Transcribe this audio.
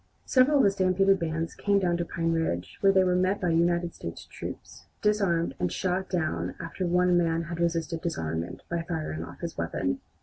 Several of the stampeded bands came down to Pine Ridge, where they were met by United States troops, disarmed, and shot down after one man had resisted disarmament by firing off his weapon.